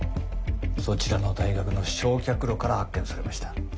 そちらの大学の焼却炉から発見されました。